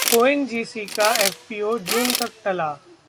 ONGC का FPO June तक टला